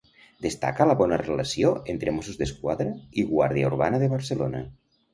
Destaca la bona relació entre Mossos d'Esquadra i Guàrdia Urbana de Barcelona.